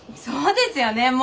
そうですよね